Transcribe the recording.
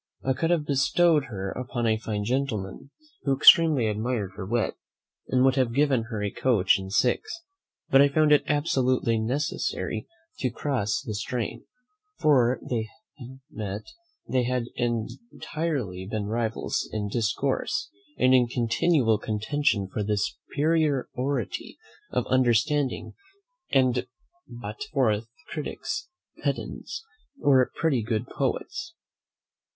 I could have bestowed her upon a fine gentleman, who extremely admired her wit, and would have given her a coach and six, but I found it absolutely necessary to cross the strain; for had they met, they had entirely been rivals in discourse, and in continual contention for the superiority of understanding, and brought forth critics, pedants, or pretty good poets.